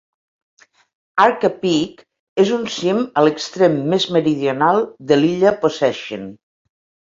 Archer Peak és un cim a l'extrem més meridional de l'illa Possession.